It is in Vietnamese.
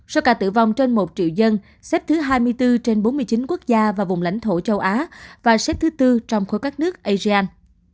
số ca tử vong trên một triệu dân xếp thứ hai mươi bốn trên bốn mươi chín quốc gia và vùng lãnh thổ châu á và xếp thứ tư trong khối các nước asean